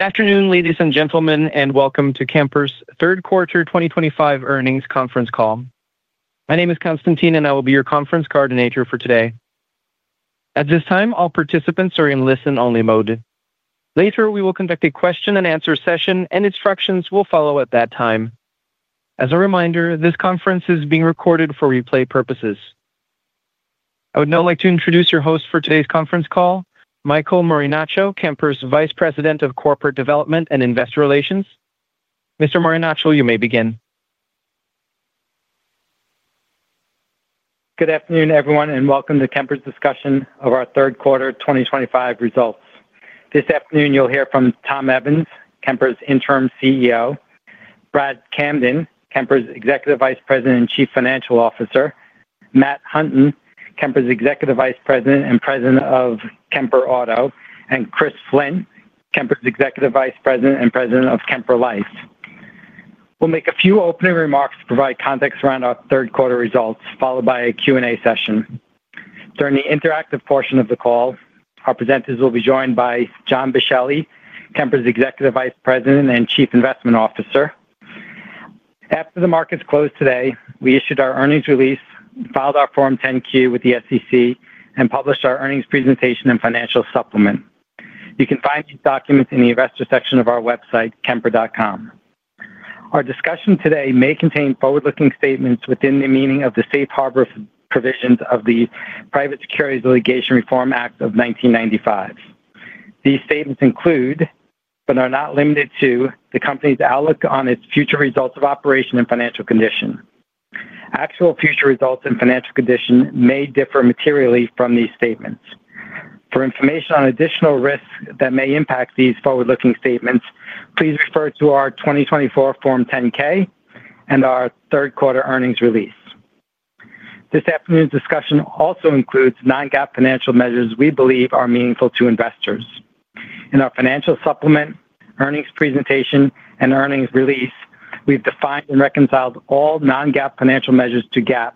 Good afternoon, ladies and gentlemen, and welcome to Kemper's Third Quarter 2025 Earnings Conference Call. My name is Constantine, and I will be your conference coordinator for today. At this time, all participants are in listen-only mode. Later, we will conduct a question-and-answer session, and instructions will follow at that time. As a reminder, this conference is being recorded for replay purposes. I would now like to introduce your host for today's conference call, Michael Marinaccio, Kemper's Vice President of Corporate Development and Investor Relations. Mr. Marinaccio, you may begin. Good afternoon, everyone, and welcome to Kemper's discussion of our Third Quarter 2025 results. This afternoon, you'll hear from Tom Evans, Kemper's Interim CEO; Brad Camden, Kemper's Executive Vice President and Chief Financial Officer; Matt Hunton, Kemper's Executive Vice President and President of Kemper Auto; and Chris Flint, Kemper's Executive Vice President and President of Kemper Life. We'll make a few opening remarks to provide context around our Third Quarter results, followed by a Q&A session. During the interactive portion of the call, our presenters will be joined by John Boschelli, Kemper's Executive Vice President and Chief Investment Officer. After the markets closed today, we issued our earnings release, filed our Form 10-Q with the SEC, and published our earnings presentation and financial supplement. You can find these documents in the investor section of our website, kemper.com. Our discussion today may contain forward-looking statements within the meaning of the safe harbor provisions of the Private Securities Litigation Reform Act of 1995. These statements include, but are not limited to, the company's outlook on its future results of operation and financial condition. Actual future results and financial condition may differ materially from these statements. For information on additional risks that may impact these forward-looking statements, please refer to our 2024 Form 10-K and our Third Quarter Earnings Release. This afternoon's discussion also includes non-GAAP financial measures we believe are meaningful to investors. In our financial supplement, earnings presentation, and earnings release, we've defined and reconciled all non-GAAP financial measures to GAAP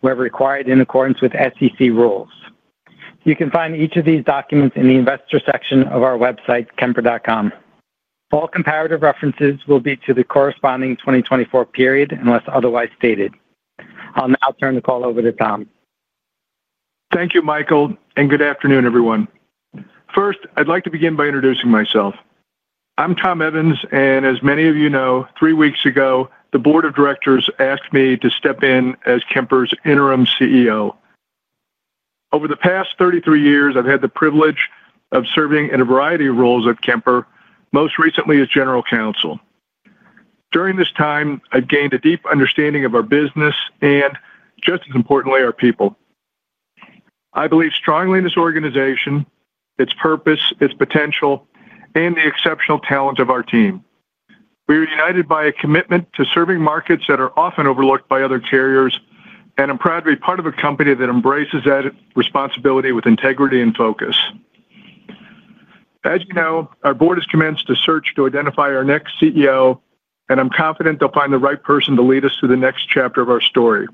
where required in accordance with SEC rules. You can find each of these documents in the investor section of our website, kemper.com. All comparative references will be to the corresponding 2024 period unless otherwise stated. I'll now turn the call over to Tom. Thank you, Michael, and good afternoon, everyone. First, I'd like to begin by introducing myself. I'm Tom Evans, and as many of you know, three weeks ago, the Board of Directors asked me to step in as Kemper's Interim CEO. Over the past 33 years, I've had the privilege of serving in a variety of roles at Kemper, most recently as General Counsel. During this time, I've gained a deep understanding of our business and, just as importantly, our people. I believe strongly in this Organization, its purpose, its potential, and the exceptional talent of our team. We are united by a commitment to serving markets that are often overlooked by other carriers, and I'm proud to be part of a company that embraces that responsibility with integrity and focus. As you know, our board has commenced a search to identify our next CEO, and I'm confident they'll find the right person to lead us through the next chapter of our story.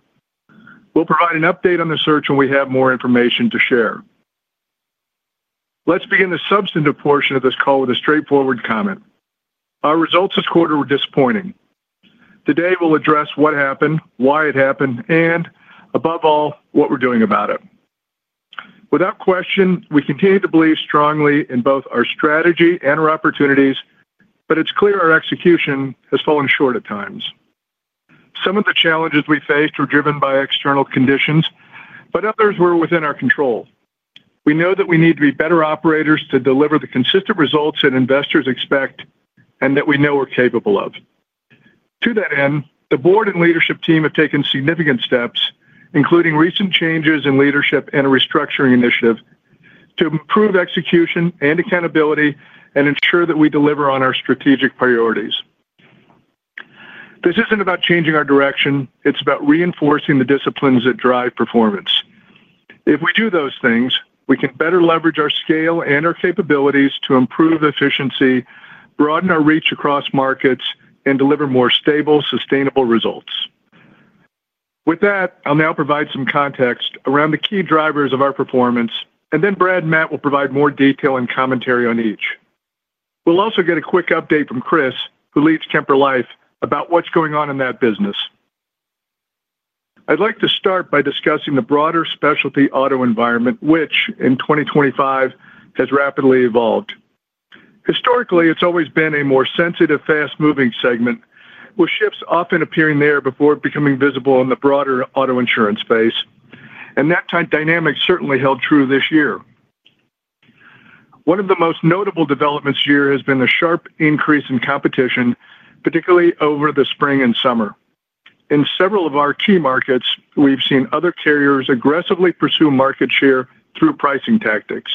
We'll provide an update on the search when we have more information to share. Let's begin the substantive portion of this call with a straightforward comment. Our results this quarter were disappointing. Today, we'll address what happened, why it happened, and, above all, what we're doing about it. Without question, we continue to believe strongly in both our strategy and our opportunities, but it's clear our Execution has fallen short at times. Some of the challenges we faced were driven by external conditions, but others were within our control. We know that we need to be better operators to deliver the consistent results that investors expect and that we know we're capable of. To that end, the board and leadership team have taken significant steps, including recent changes in leadership and a Restructuring Initiative, to improve Execution and accountability and ensure that we deliver on our strategic priorities. This isn't about changing our direction. It's about reinforcing the disciplines that drive performance. If we do those things, we can better leverage our scale and our capabilities to improve efficiency, broaden our reach across markets, and deliver more stable, sustainable results. With that, I'll now provide some context around the key drivers of our performance, and then Brad and Matt will provide more detail and commentary on each. We'll also get a quick update from Chris, who leads Kemper Life, about what's going on in that business. I'd like to start by discussing the broader Specialty Auto environment, which, in 2025, has rapidly evolved. Historically, it's always been a more sensitive, fast-moving segment, with shifts often appearing there before becoming visible in the broader Auto Insurance space, and that kind of dynamic certainly held true this year. One of the most notable developments here has been the sharp increase in competition, particularly over the spring and summer. In several of our key markets, we've seen other carriers aggressively pursue market share through pricing tactics.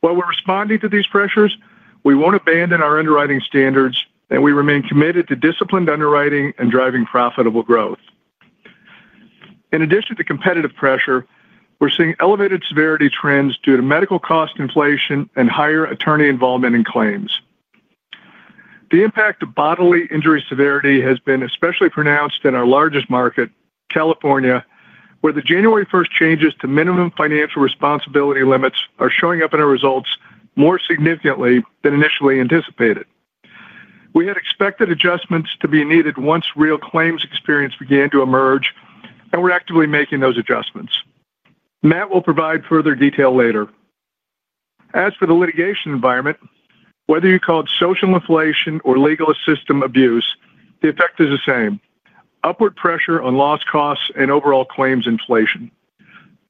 While we're responding to these pressures, we won't abandon our underwriting standards, and we remain committed to disciplined underwriting and driving Profitable Growth. In addition to competitive pressure, we're seeing elevated severity trends due to medical cost inflation and higher attorney involvement in claims. The impact of Bodily Injury severity has been especially pronounced in our largest market, California, where the January 1st changes to minimum financial responsibility limits are showing up in our results more significantly than initially anticipated. We had expected adjustments to be needed once real Claims Experience began to emerge, and we're actively making those adjustments. Matt will provide further detail later. As for the litigation environment, whether you call it social inflation or Legal System abuse, the effect is the same: upward pressure on loss costs and overall claims inflation.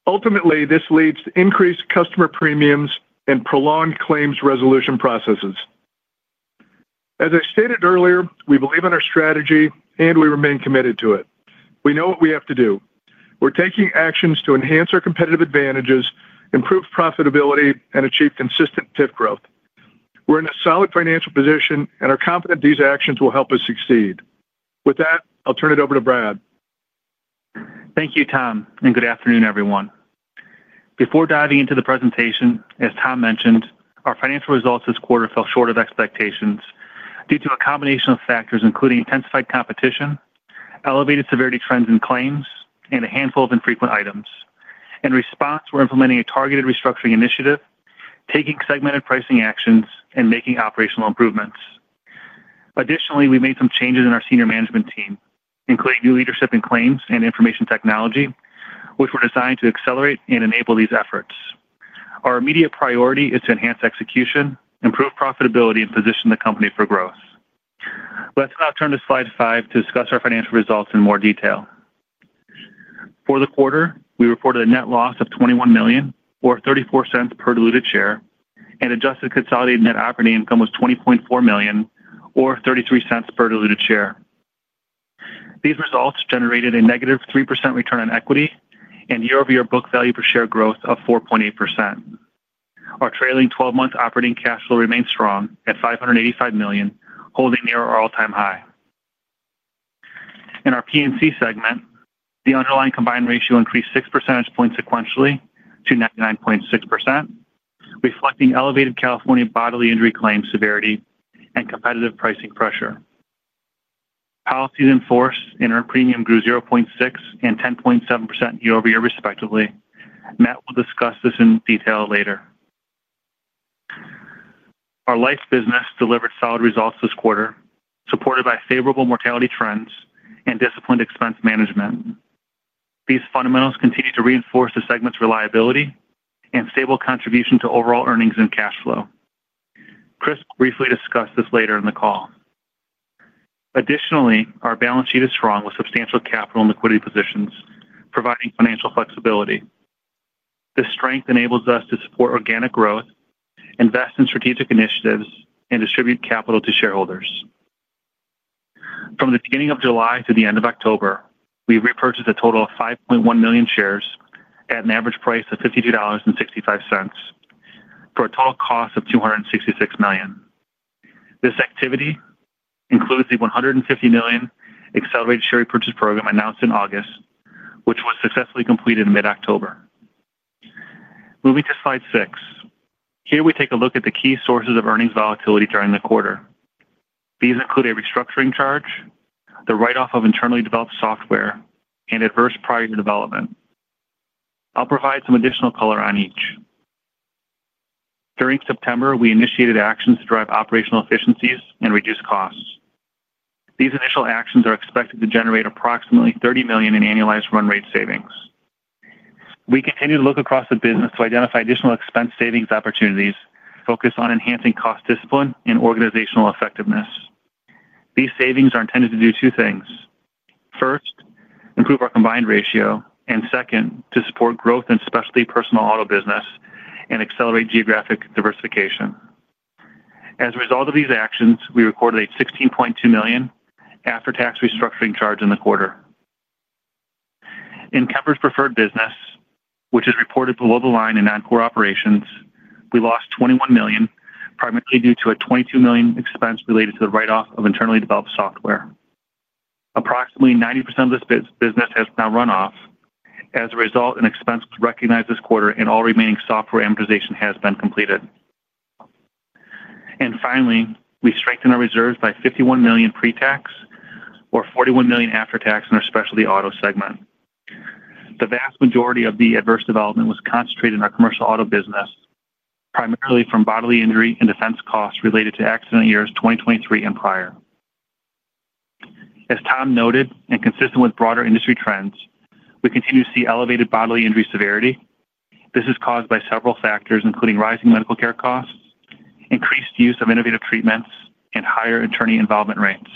Ultimately, this leads to increased customer premiums and prolonged claims resolution processes. As I stated earlier, we believe in our strategy, and we remain committed to it. We know what we have to do. We're taking actions to enhance our competitive advantages, improve profitability, and achieve consistent TIF Growth. We're in a solid financial position, and we're confident these actions will help us succeed. With that, I'll turn it over to Brad. Thank you, Tom, and good afternoon, everyone. Before diving into the presentation, as Tom mentioned, our financial results this quarter fell short of expectations due to a combination of factors including intensified competition, elevated severity trends in claims, and a handful of infrequent items. In response, we're implementing a targeted Restructuring Initiative, taking segmented pricing actions, and making operational improvements. Additionally, we made some changes in our senior management team, including new leadership in Claims and Information Technology, which were designed to accelerate and enable these efforts. Our immediate priority is to enhance Execution, improve profitability, and position the company for growth. Let's now turn to slide five to discuss our financial results in more detail. For the quarter, we reported a net loss of $21 million, or $0.34 per diluted share, and adjusted consolidated net operating income was $20.4 million, or $0.33 per diluted share. These results generated a negative 3% Return on Equity and year-over-year Book Value per Share growth of 4.8%. Our trailing 12-month Operating Cash Flow remained strong at $585 million, holding near our all-time high. In our P&C segment, the underlying Combined Ratio increased 6 percentage points sequentially to 99.6%. Reflecting elevated California Bodily Injury claim severity and competitive pricing pressure. Policies enforced and our premium grew 0.6% and 10.7% year-over-year, respectively. Matt will discuss this in detail later. Our Life Business delivered solid results this quarter, supported by favorable mortality trends and disciplined expense management. These fundamentals continue to reinforce the segment's reliability and stable contribution to overall earnings and Cash Flow. Chris briefly discussed this later in the call. Additionally, our balance sheet is strong with substantial capital and liquidity positions, providing financial flexibility. This strength enables us to support organic growth, invest in strategic initiatives, and distribute capital to shareholders. From the beginning of July to the end of October, we've repurchased a total of 5.1 million shares at an average price of $52.65. For a total cost of $266 million. This activity includes the $150 million accelerated Share Repurchase Program announced in August, which was successfully completed in mid-October. Moving to slide six, here we take a look at the key sources of earnings volatility during the quarter. These include a Restructuring Charge, the write-off of internally developed software, and adverse prior development. I'll provide some additional color on each. During September, we initiated actions to drive operational efficiencies and reduce costs. These initial actions are expected to generate approximately $30 million in annualized run-rate savings. We continue to look across the business to identify additional expense savings opportunities focused on enhancing cost discipline and Organizational effectiveness. These savings are intended to do two things. First, improve our Combined Ratio, and second, to support growth in Specialty Personal Auto business and accelerate geographic diversification. As a result of these actions, we recorded a $16.2 million after-tax restructuring charge in the quarter. In Kemper's Preferred Business. Which is reported below the line in Non-Core Operations, we lost $21 million, primarily due to a $22 million expense related to the write-off of internally developed software. Approximately 90% of this business has now run off. As a result, an expense was recognized this quarter, and all remaining software amortization has been completed. And finally, we strengthened our reserves by $51 million pre-tax, or $41 million after-tax in our Specialty Auto segment. The vast majority of the Adverse Development was concentrated in our Commercial Auto business. Primarily from Bodily Injury and Defense costs related to accident years 2023 and prior. As Tom noted, and consistent with broader industry trends, we continue to see elevated Bodily Injury severity. This is caused by several factors, including rising medical care costs, increased use of innovative treatments, and higher attorney involvement rates.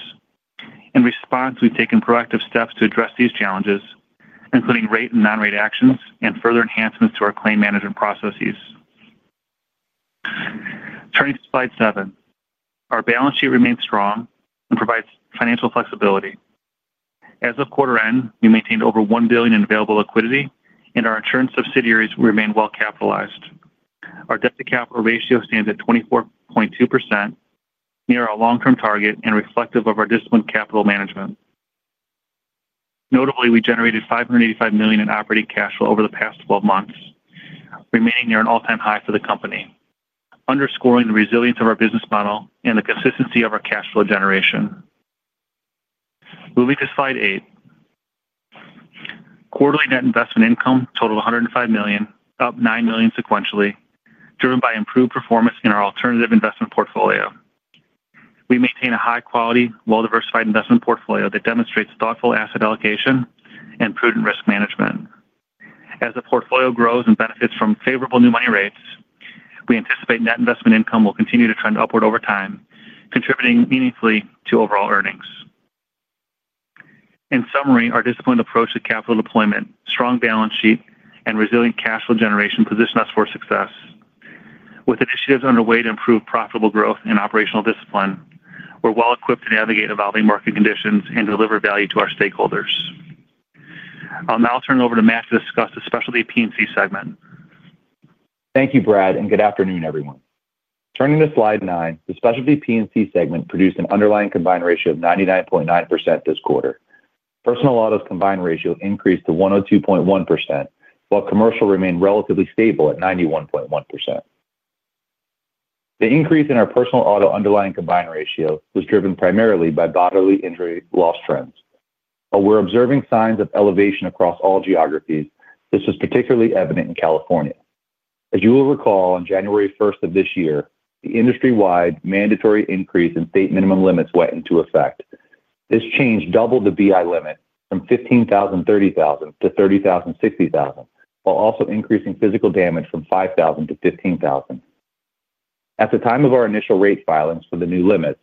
In response, we've taken proactive steps to address these challenges, including Rate and Non-Rate actions and further enhancements to our Claim Management processes. Turning to slide seven, our balance sheet remains strong and provides financial flexibility. As of quarter end, we maintained over $1 billion in available liquidity, and our insurance subsidiaries remain well-capitalized. Our debt-to-capital ratio stands at 24.2%. Near our long-term target and reflective of our disciplined capital management. Notably, we generated $585 million in Operating Cash Flow over the past 12 months, remaining near an all-time high for the company, underscoring the resilience of our business model and the consistency of our Cash Flow generation. Moving to slide eight. Quarterly Net Investment Income totaled $105 million, up $9 million sequentially, driven by improved performance in our alternative investment portfolio. We maintain a high-quality, well-diversified investment portfolio that demonstrates thoughtful asset allocation and prudent risk management. As the portfolio grows and benefits from favorable new money rates, we anticipate Net Investment Income will continue to trend upward over time, contributing meaningfully to overall earnings. In summary, our disciplined approach to capital deployment, strong balance sheet, and resilient Cash Flow generation position us for success. With initiatives underway to improve Profitable Growth and operational discipline, we're well-equipped to navigate evolving market conditions and deliver value to our stakeholders. I'll now turn it over to Matt to discuss the specialty P&C segment. Thank you, Brad, and good afternoon, everyone. Turning to slide nine, the specialty P&C segment produced an underlying Combined Ratio of 99.9% this quarter. Personal Auto's Combined Ratio increased to 102.1%, while Commercial remained relatively stable at 91.1%. The increase in our Personal Auto underlying Combined Ratio was driven primarily by Bodily Injury loss trends. While we're observing signs of elevation across all geographies, this was particularly evident in California. As you will recall, on January 1st of this year, the industry-wide mandatory increase in state minimum limits went into effect. This change doubled the BI limit from $15,000 to $30,000 to $30,000 to $60,000, while also increasing Physical Damage from $5,000 to $15,000. At the time of our initial rate filings for the new limits,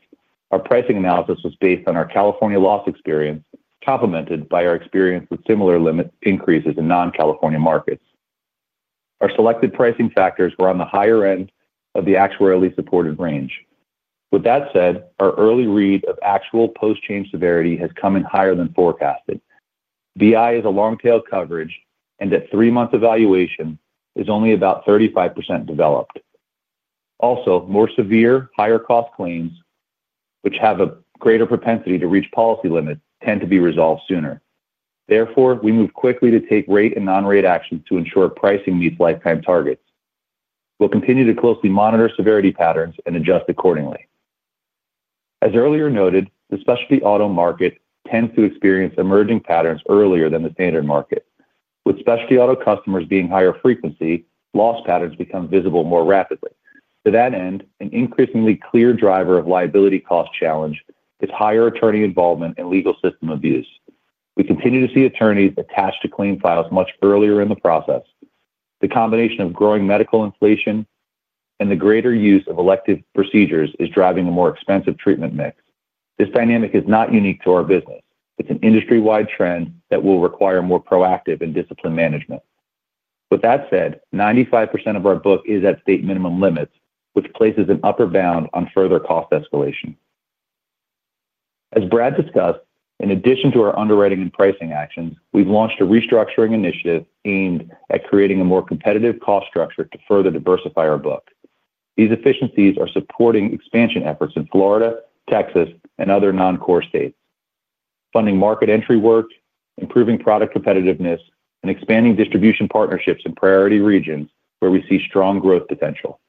our pricing analysis was based on our California loss experience, complemented by our experience with similar limit increases in non-California markets. Our selected pricing factors were on the higher end of the actuarially supported range. With that said, our early read of actual post-change severity has come in higher than forecasted. BI is a long-tail coverage, and at three-month evaluation, is only about 35% developed. Also, more severe, higher-cost claims, which have a greater propensity to reach policy limits, tend to be resolved sooner. Therefore, we moved quickly to take Rate and Non-Rate actions to ensure pricing meets lifetime targets. We'll continue to closely monitor severity patterns and adjust accordingly. As earlier noted, the Specialty Auto market tends to experience emerging patterns earlier than the Standard market. With Specialty Auto customers being higher frequency, loss patterns become visible more rapidly. To that end, an increasingly clear driver of liability cost challenge is higher attorney involvement and Legal System abuse. We continue to see Attorneys attached to claim files much earlier in the process. The combination of growing Medical Inflation and the greater use of elective procedures is driving a more expensive Treatment Mix. This dynamic is not unique to our business. It's an industry-wide trend that will require more proactive and disciplined management. With that said, 95% of our book is at state minimum limits, which places an upper bound on further cost escalation. As Brad discussed, in addition to our Underwriting and Pricing actions, we've launched a Restructuring initiative aimed at creating a more competitive Cost Structure to further diversify our book. These efficiencies are supporting expansion efforts in Florida, Texas, and other non-core states, funding market entry work, improving Product Competitiveness, and expanding Distribution Partnerships in priority regions where we see strong growth potential.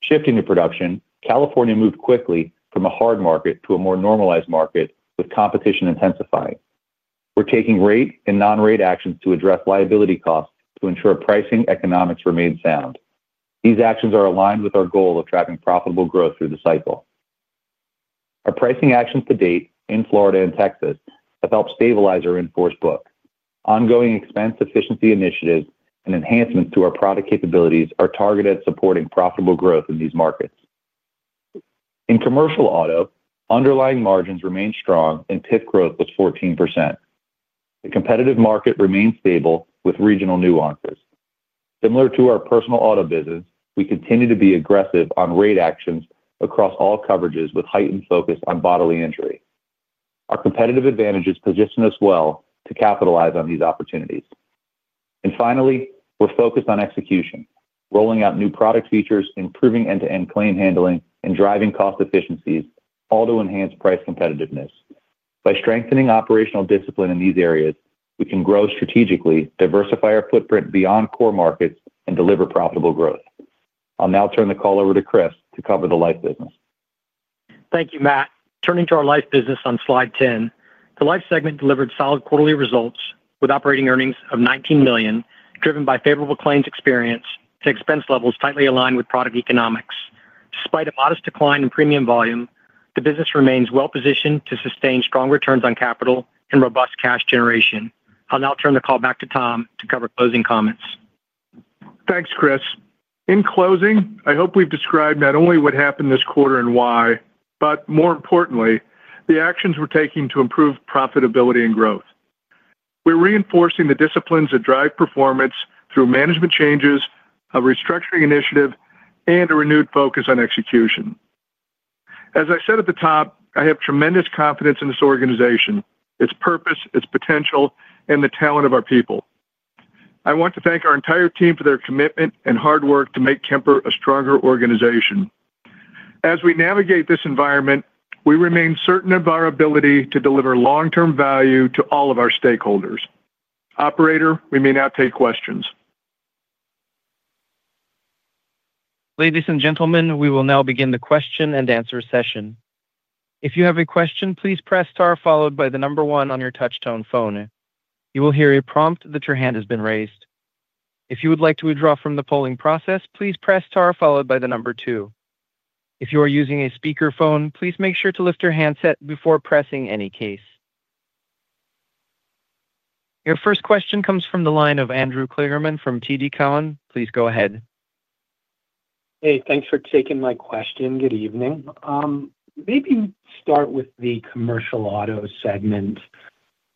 Shifting to production, California moved quickly from a Hard Market to a more normalized market with competition intensifying. We're taking Rate and Non-Rate actions to address liability costs to ensure pricing economics remain sound. These actions are aligned with our goal of tracking Profitable Growth through the cycle. Our pricing actions to date in Florida and Texas have helped stabilize our Enforced Book. Ongoing Expense Efficiency initiatives and enhancements to our Product Capabilities are targeted at supporting Profitable Growth in these markets. In Commercial Auto, underlying margins remain strong and TIF Growth was 14%. The competitive market remains stable with regional nuances. Similar to our Personal Auto business, we continue to be aggressive on rate actions across all coverages with heightened focus on Bodily Injury. Our Competitive Advantages position us well to capitalize on these opportunities. And finally, we're focused on Execution, rolling out new Product Features, improving end-to-end Claim Handling, and driving Cost Efficiencies, all to enhance Price Competitiveness. By strengthening operational discipline in these areas, we can grow strategically, diversify our footprint beyond Core Markets, and deliver Profitable Growth. I'll now turn the call over to Chris to cover the Life Business. Thank you, Matt. Turning to our Life Business on slide 10, the life segment delivered solid quarterly results with operating earnings of $19 million, driven by favorable Claims Experience to Expense levels tightly aligned with Product Economics. Despite a modest decline in Premium Volume, the business remains well-positioned to sustain strong returns on capital and robust Cash Generation. I'll now turn the call back to Tom to cover Closing Comments. Thanks, Chris. In closing, I hope we've described not only what happened this quarter and why, but more importantly, the actions we're taking to improve Profitability and Growth. We're reinforcing the disciplines that drive Performance through Management Changes, a Restructuring Initiative, and a renewed focus on Execution. As I said at the top, I have tremendous confidence in this Organization, its Purpose, its Potential, and the Talent of our People. I want to thank our entire team for their commitment and hard work to make Kemper a stronger Organization. As we navigate this environment, we remain certain of our ability to deliver long-term value to all of our Stakeholders. Operator, we may now take questions. Ladies and gentlemen, we will now begin the question and answer session. If you have a question, please press star followed by the number one on your touch-tone phone. You will hear a prompt that your hand has been raised. If you would like to withdraw from the polling process, please press star followed by the number two. If you are using a speakerphone, please make sure to lift your handset before pressing any case. Your first question comes from the line of Andrew Kligerman from TD Cowen. Please go ahead. Hey, thanks for taking my question. Good evening. Maybe start with the Commercial Auto segment.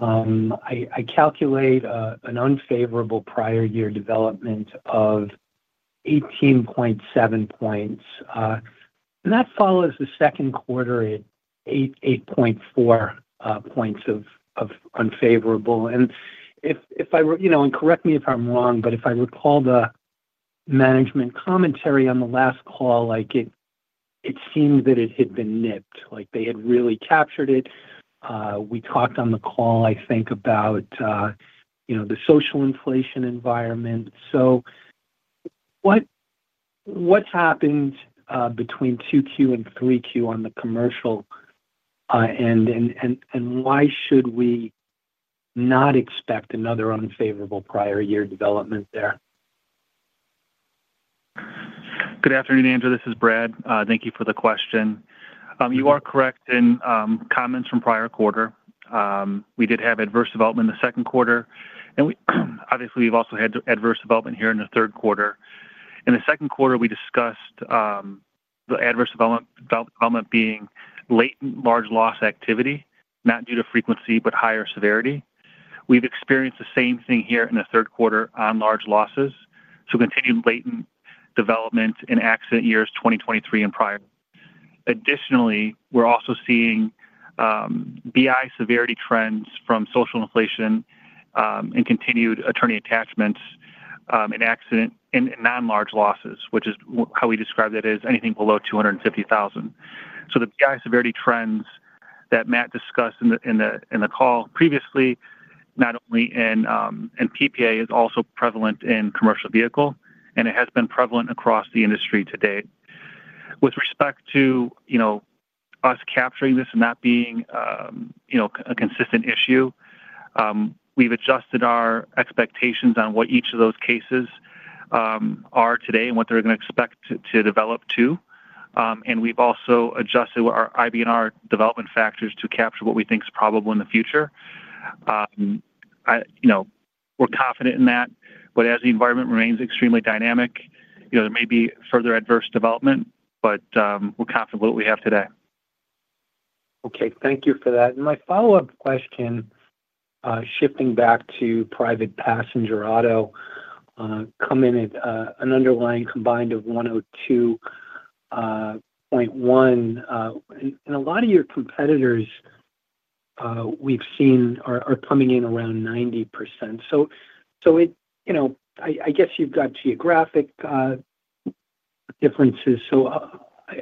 I calculate an unfavorable prior year development of. 18.7 points. And that follows the second quarter at 8.4 points of unfavorable. And. If I—and correct me if I'm wrong—but if I recall the. Management Commentary on the last call, it seemed that it had been nipped; they had really captured it. We talked on the call, I think, about. The social inflation environment. So. What happened between 2Q and 3Q on the Commercial. End, and why should we. Not expect another unfavorable prior year development there? Good afternoon, Andrew. This is Brad. Thank you for the question. You are correct in comments from prior quarter. We did have Adverse Development in the second quarter. And obviously, we've also had Adverse Development here in the third quarter. In the second quarter, we discussed. The Adverse Development being latent, large loss activity, not due to frequency, but higher severity. We've experienced the same thing here in the third quarter on large losses, so continued latent development in accident years 2023 and prior. Additionally, we're also seeing. BI severity trends from social inflation. And continued attorney attachments. In non-large losses, which is how we describe that as anything below $250,000. So the BI severity trends that Matt discussed in the call previously, not only in PPA, is also prevalent in Commercial Vehicle, and it has been prevalent across the industry to date. With respect to. Us capturing this and not being. A consistent issue. We've adjusted our expectations on what each of those cases. Are today and what they're going to expect to develop to. And we've also adjusted our IBNR Development Factors to capture what we think is probable in the future. We're confident in that. But as the environment remains extremely dynamic, there may be further Adverse Development, but we're confident with what we have today. Okay. Thank you for that. And my follow-up question. Shifting back to Private Passenger Auto. Coming at an underlying combined of 102.1. And a lot of your competitors. We've seen are coming in around 90%. So. I guess you've got geographic. Differences. So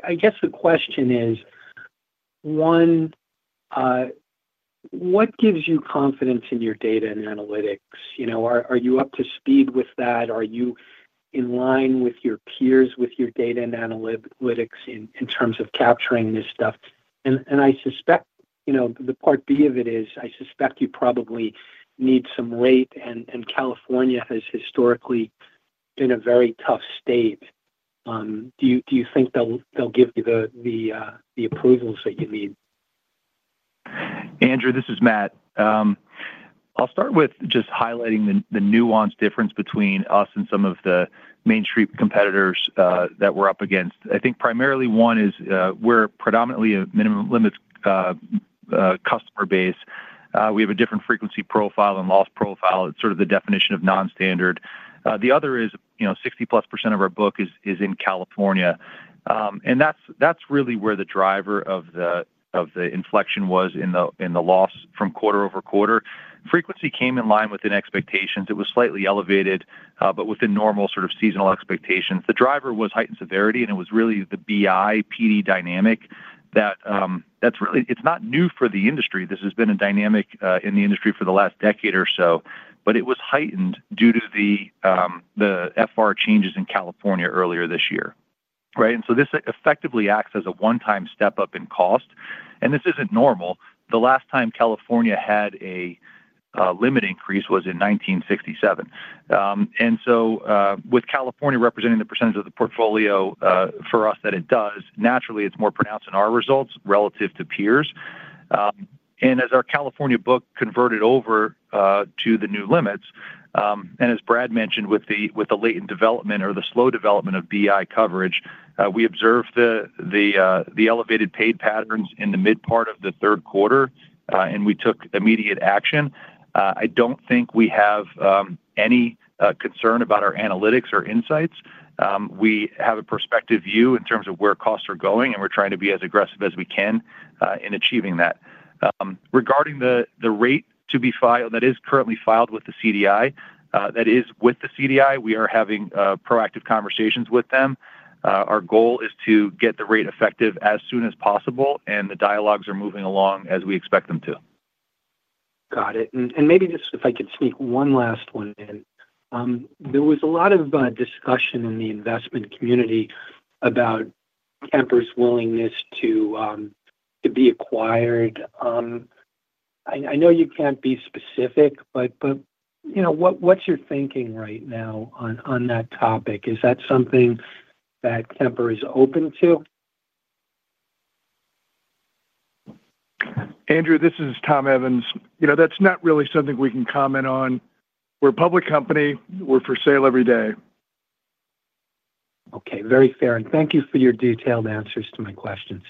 I guess the question is. One, what gives you confidence in your Data and Analytics? Are you up to speed with that? Are you in line with your peers with your Data and Analytics in terms of capturing this stuff? And I suspect the part B of it is I suspect you probably need some rate, and California has historically been a very tough state. Do you think they'll give you the. Approvals that you need? Andrew, this is Matt. I'll start with just highlighting the nuanced difference between us and some of the Main Street competitors that we're up against. I think primarily one is we're predominantly a Minimum Limits Customer Base. We have a different Frequency Profile and Loss Profile. It's sort of the definition of Non-Standard. The other is 60%+ of our book is in California. And that's really where the driver of the. Inflection was in the loss from quarter over quarter. Frequency came in line within expectations. It was slightly elevated, but within normal sort of seasonal expectations. The driver was heightened severity, and it was really the BI PD dynamic that. It's not new for the industry. This has been a dynamic in the industry for the last decade or so. But it was heightened due to the. FR changes in California earlier this year. Right? And so this effectively acts as a one-time step up in cost. And this isn't normal. The last time California had a. Limit Increase was in 1967. And so with California representing the percentage of the Portfolio for us that it does, naturally, it's more pronounced in our Results relative to peers. And as our California Book converted over to the new limits, and as Brad mentioned, with the latent development or the slow development of BI coverage, we observed the. Elevated paid patterns in the mid part of the third quarter, and we took immediate action. I don't think we have any concern about our analytics or insights. We have a perspective view in terms of where costs are going, and we're trying to be as aggressive as we can in achieving that. Regarding the rate to be filed that is currently filed with the CDI, that is with the CDI, we are having proactive conversations with them. Our goal is to get the rate effective as soon as possible, and the dialogues are moving along as we expect them to. Got it. And maybe just if I could sneak one last one in. There was a lot of discussion in the investment community about. Kemper's willingness to. Be acquired. I know you can't be specific, but. What's your thinking right now on that topic? Is that something that Kemper is open to? Andrew, this is Tom Evans. That's not really something we can comment on. We're a public company. We're for sale every day. Okay. Very fair. And thank you for your detailed answers to my questions.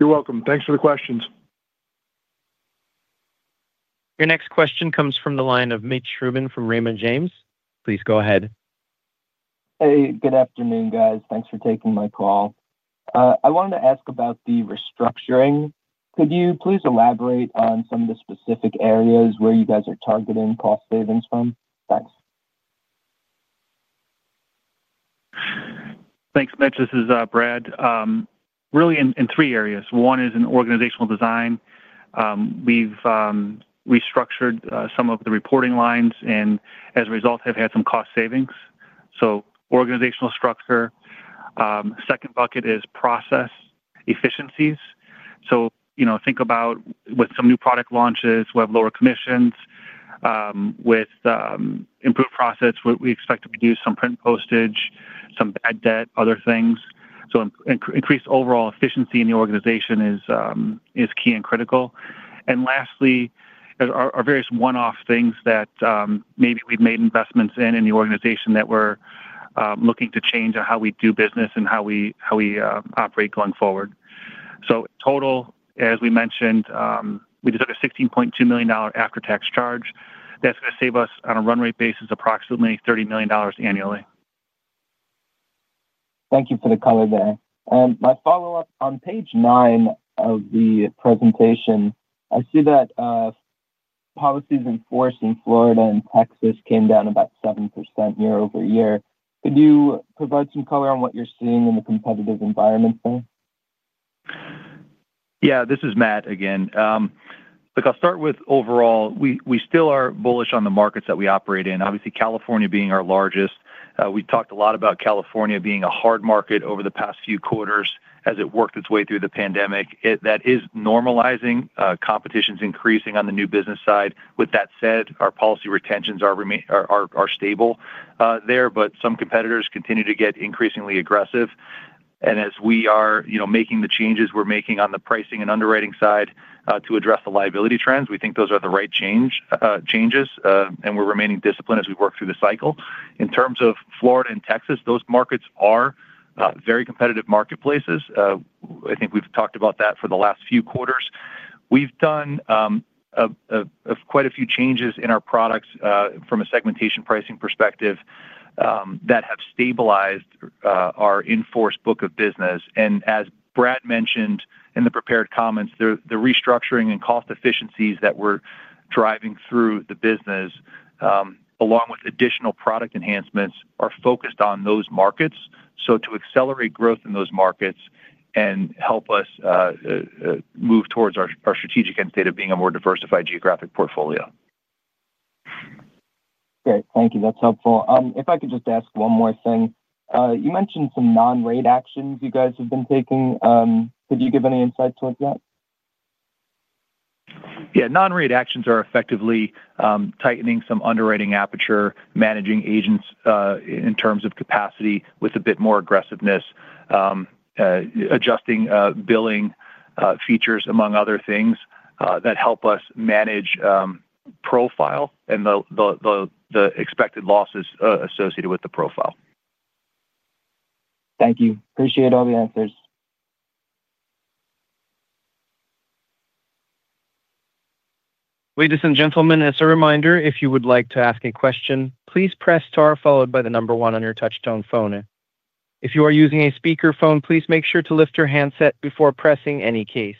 You're welcome. Thanks for the questions. Your next question comes from the line of Mitch Rubin from Raymond James. Please go ahead. Hey, good afternoon, guys. Thanks for taking my call. I wanted to ask about the restructuring. Could you please elaborate on some of the specific areas where you guys are targeting cost savings from? Thanks. Thanks, Mitch. This is Brad. Really in three areas. One is in Organizational Design. We've restructured some of the reporting lines and, as a result, have had some Cost Savings. So Organizational Structure. Second bucket is Process Efficiencies. So think about with some new product launches, we have lower Commissions. With. Improved process, we expect to reduce some Print/Postage, some Bad Debt, other things. So increased overall Efficiency in the Organization is. Key and critical. And lastly, there are various one-off things that maybe we've made investments in in the Organization that we're looking to change on how we do business and how we operate going forward. So total, as we mentioned, we did a $16.2 million after-tax charge. That's going to save us on a run-rate basis approximately $30 million annually. Thank you for the color there. And my follow-up on page nine of the presentation, I see that. Policies enforced in Florida and Texas came down about 7% year-over-year. Could you provide some color on what you're seeing in the competitive environment there? Yeah. This is Matt again. I'll start with overall. We still are bullish on the markets that we operate in. Obviously, California being our largest. We talked a lot about California being a hard market over the past few quarters as it worked its way through the pandemic. That is normalizing. Competition is increasing on the new business side. With that said, our Policy Retentions are. Stable there, but some competitors continue to get increasingly aggressive. And as we are making the changes we're making on the pricing and underwriting side to address the Liability Trends, we think those are the right changes. And we're remaining disciplined as we work through the cycle. In terms of Florida and Texas, those markets are very competitive marketplaces. I think we've talked about that for the last few quarters. We've done. Quite a few changes in our Products from a Segmentation Pricing perspective. That have stabilized our enforced book of business. And as Brad mentioned in the prepared comments, the restructuring and Cost Efficiencies that we're driving through the business. Along with additional product enhancements, are focused on those markets. So to accelerate growth in those markets and help us. Move towards our strategic end state of being a more diversified Geographic Portfolio. Great. Thank you. That's helpful. If I could just ask one more thing. You mentioned some non-rate actions you guys have been taking. Could you give any insight towards that? Yeah. Non-rate actions are effectively tightening some Underwriting Aperture, managing agents in terms of capacity with a bit more aggressiveness. Adjusting Billing Features, among other things, that help us manage. Profile and. The expected losses associated with the profile. Thank you. Appreciate all the answers. Ladies and gentlemen, as a reminder, if you would like to ask a question, please press star followed by the number one on your touch-tone phone. If you are using a speakerphone, please make sure to lift your handset before pressing any case.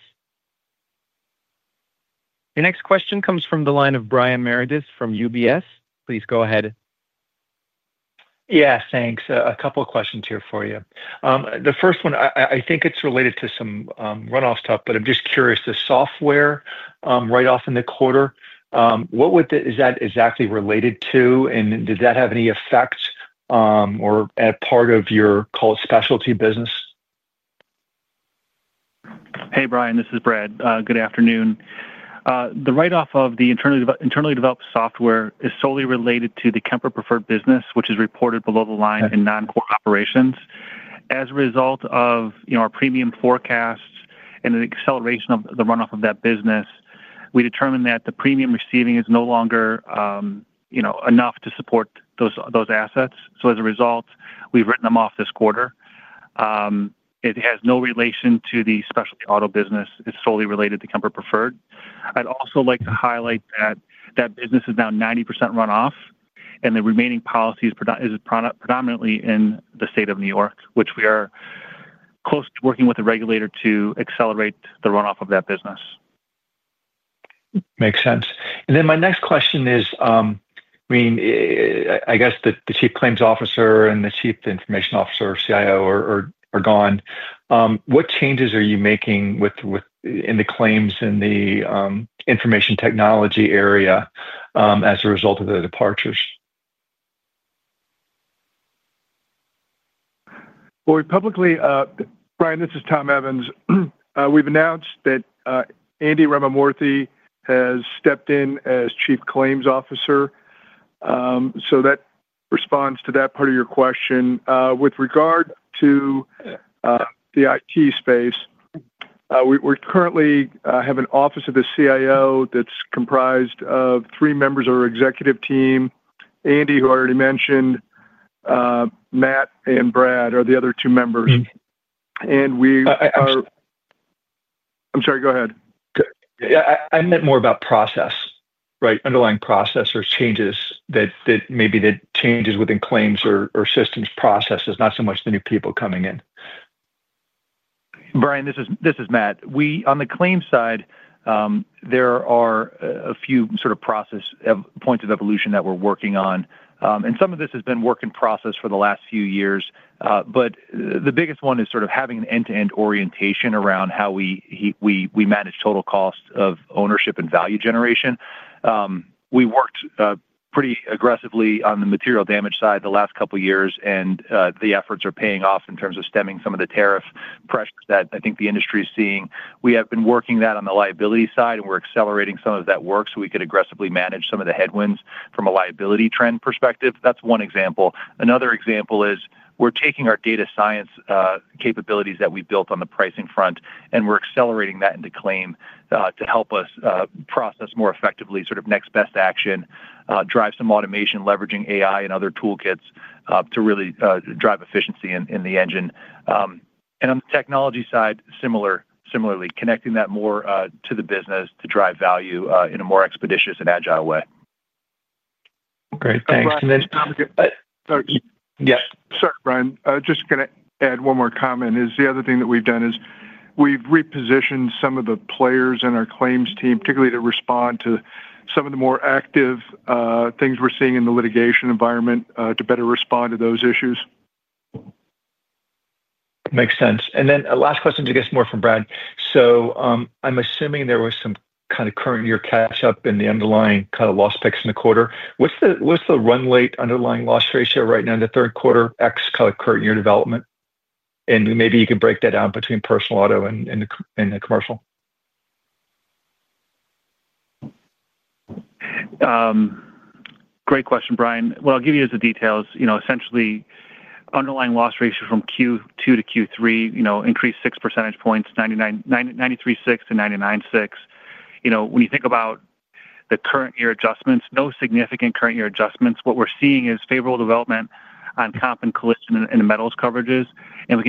Your next question comes from the line of Brian Meredith from UBS. Please go ahead. Yeah. Thanks. A couple of questions here for you. The first one, I think it's related to some run-off stuff, but I'm just curious. The software right off in the quarter, what is that exactly related to? And did that have any effect. Or a part of your, call it, specialty business? Hey, Brian. This is Brad. Good afternoon. The Write-Off of the Internally Developed Software is solely related to the Kemper Preferred business, which is reported below the line in Non-Core Operations. As a result of our premium forecasts and the acceleration of the Run-Off of that business. We determined that the premium receiving is no longer. Enough to support those Assets. So as a result, we've written them off this quarter. It has no relation to the Specialty Auto business. It's solely related to Kemper Preferred. I'd also like to highlight that that business is now 90% run-off, and the remaining policy is predominantly in the state of New York, which we are. Close to working with a regulator to accelerate the run-off of that business. Makes sense. And then my next question is. I mean, I guess the Chief Claims Officer and the Chief Information Officer, CIO, are gone. What changes are you making. In the Claims and the Information Technology area. As a result of the departures? Well, we publicly—Brian, this is Tom Evans. We've announced that. Andy Ramamoorthy has stepped in as chief claims officer. So that responds to that part of your question. With regard to. The IT space. We currently have an office of the CIO that's comprised of three members of our executive team: Andy, who I already mentioned. Matt, and Brad are the other two members. And we are—I'm sorry. Go ahead. Yeah. I meant more about process, right? Underlying process or changes that maybe the changes within claims or systems processes, not so much the new people coming in. Brian, this is Matt. On the claim side, there are a few sort of process points of evolution that we're working on. And some of this has been work in process for the last few years. But the biggest one is sort of having an end-to-end orientation around how. We manage total cost of ownership and value generation. We worked pretty aggressively on the material damage side the last couple of years, and the efforts are paying off in terms of stemming some of the tariff pressure that I think the industry is seeing. We have been working that on the liability side, and we're accelerating some of that work so we could aggressively manage some of the headwinds from a liability trend perspective. That's one example. Another example is we're taking our data science capabilities that we built on the pricing front, and we're accelerating that into claim to help us process more effectively sort of next best action, drive some automation, leveraging AI and other toolkits to really drive efficiency in the engine. And on the technology side, similarly, connecting that more to the business to drive value in a more expeditious and agile way. Great. Thanks. And then, Tom, you're—yeah. Sorry, Brian. Just going to add one more comment. The other thing that we've done is we've repositioned some of the players in our claims team, particularly to respond to some of the more active things we're seeing in the litigation environment to better respond to those issues. Makes sense. And then last question, I guess, more from Brad. So I'm assuming there was some kind of current year catch-up in the underlying kind of loss picks in the quarter. What's the run-rate underlying loss ratio right now in the third quarter x current year development? And maybe you can break that out between Personal Auto and the commercial. Great question, Brian. What I'll give you as the detail is essentially. Underlying loss ratio from Q2 to Q3 increased 6% points, 93.6% to 99.6%. When you think about. The Current-Year Adjustments, no significant Current-Year Adjustments. What we're seeing is favorable development on comp and collision and Metals Coverages. And we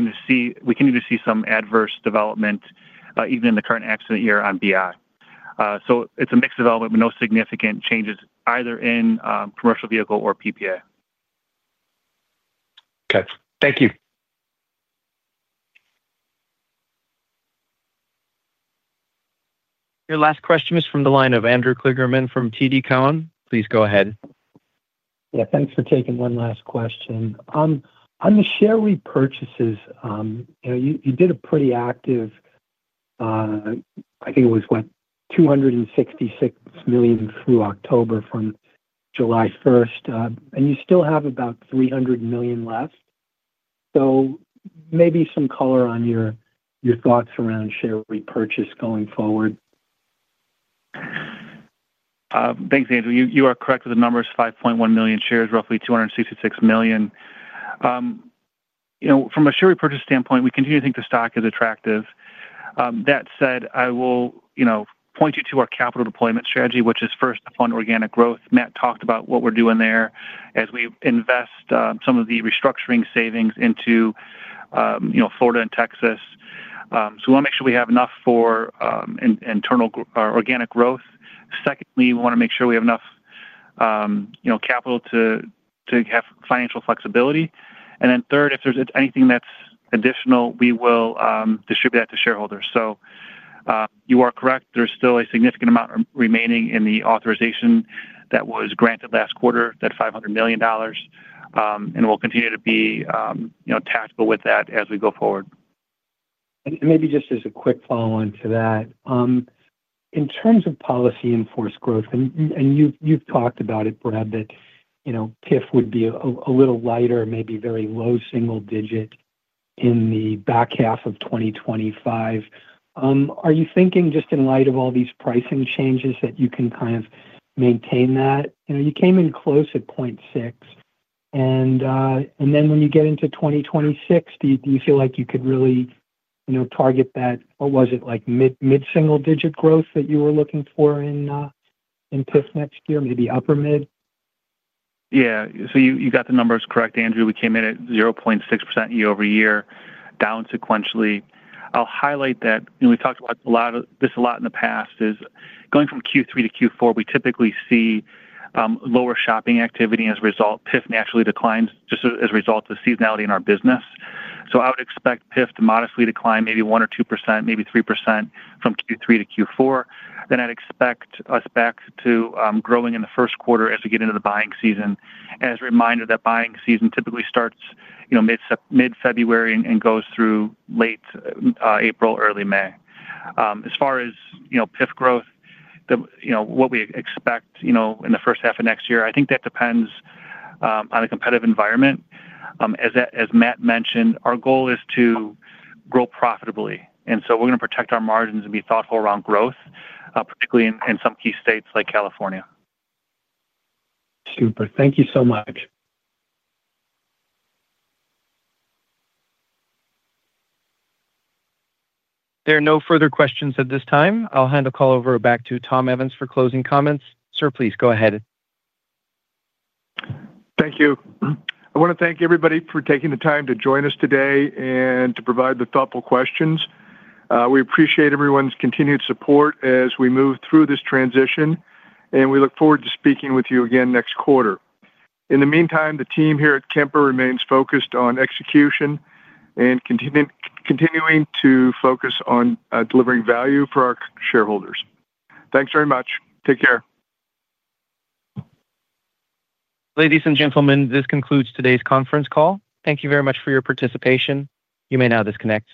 can see some Adverse Development even in the Current Accident Year on BI. So it's a mixed development with no significant changes either in Commercial Vehicle or PPA. Okay. Thank you. Your last question is from the line of Andrew Kligerman from TD Cowen. Please go ahead. Yeah. Thanks for taking one last question. On the Share Repurchases. You did a pretty active. I think it was, what, $266 million through October from July 1st. And you still have about 300 million left. So maybe some color on your thoughts around Share Repurchase going forward. Thanks, Andrew. You are correct with the numbers. 5.1 million shares, roughly $266 million. From a Share Repurchase standpoint, we continue to think the stock is attractive. That said, I will. Point you to our capital deployment strategy, which is first to Fund Organic Growth. Matt talked about what we're doing there as we invest some of the restructuring savings into. Florida and Texas. So we want to make sure we have enough for. Internal organic growth. Secondly, we want to make sure we have enough. Capital to. Have financial flexibility. And then third, if there's anything that's additional, we will distribute that to shareholders. So you are correct. There's still a significant amount remaining in the authorization that was granted last quarter, that $500 million. And we'll continue to be. Tactical with that as we go forward. And maybe just as a quick follow-on to that. In terms of Policy Enforced Growth, and you've talked about it, Brad, that. TIF would be a little lighter, maybe very low single digit in the back half of 2025. Are you thinking, just in light of all these pricing changes, that you can kind of maintain that? You came in close at 0.6. And then when you get into 2026, do you feel like you could really. Target that—what was it?—mid-single digit growth that you were looking for in. TIF next year, maybe upper mid? Yeah. So you got the numbers correct, Andrew. We came in at 0.6% year-over-year, down sequentially. I'll highlight that. We've talked about this a lot in the past. Going from Q3 to Q4, we typically see. Lower shopping activity as a result. TIF naturally declines just as a result of seasonality in our business. So I would expect TIF to modestly decline, maybe 1% or 2%, maybe 3% from Q3 to Q4. Then I'd expect us back to growing in the first quarter as we get into the buying season. As a reminder, that buying season typically starts mid-February and goes through late April, early May. As far as TIF Growth. What we expect in the first half of next year, I think that depends. On a competitive environment. As Matt mentioned, our goal is to. Grow profitably. And so we're going to protect our margins and be thoughtful around growth, particularly in some key states like California. Super. Thank you so much. There are no further questions at this time. I'll hand the call over back to Tom Evans for closing comments. Sir, please go ahead. Thank you. I want to thank everybody for taking the time to join us today and to provide the thoughtful questions. We appreciate everyone's continued support as we move through this transition, and we look forward to speaking with you again next quarter. In the meantime, the team here at Kemper remains focused on Execution and continuing to focus on delivering value for our shareholders. Thanks very much. Take care. Ladies and gentlemen, this concludes today's conference call. Thank you very much for your participation. You may now disconnect.